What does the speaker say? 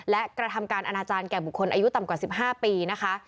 และกระทำการอนาจารย์แก่บุคคลอายุต่ำกว่า๑๕ปีนะคะ